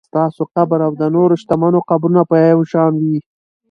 ستاسو قبر او د نورو شتمنو قبرونه به یو شان وي.